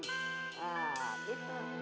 tuh tuh tuh